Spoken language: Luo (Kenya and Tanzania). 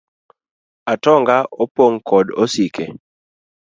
Atong'a opong kod osike .